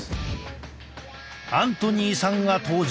アントニーさんが登場。